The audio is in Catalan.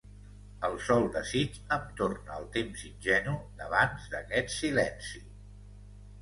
El sol desig em torna al temps ingenu d'abans d'aquest silenci.